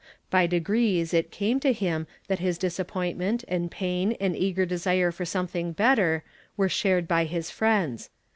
By de grees it can to him that his disappointment and pain and eager desire for something better were shared by his friends.